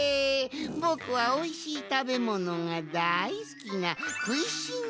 ぼくはおいしいたべものがだいすきなくいしんぼう宝箱。